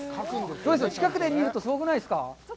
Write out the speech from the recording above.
近くで見るとすごくないですか？